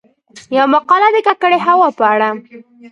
يومـقاله د کـکړې هـوا په اړه :